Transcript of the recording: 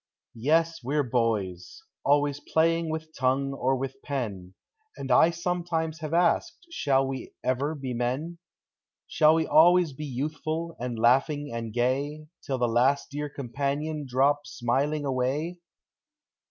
Yes, we 're boys, — always playing with tongue or with pen ; And I sometimes have asked. Shall we ever be men ? Shall we always be youthful, and laughing, and Till the last dear companion drop smiling away?